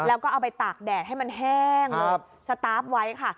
แล้วก็เอาไปตากแดดให้มันแห้งสตาร์ฟไว้ค่ะ